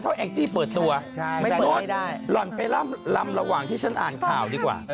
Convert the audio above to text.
เพราะแอ็กซี่เปิดตัวร่อนไปลำระหว่างที่ฉันอ่านข่าวดีกว่า